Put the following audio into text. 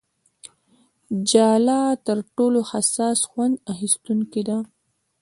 ژله تر ټولو حساس خوند اخیستونکې ده.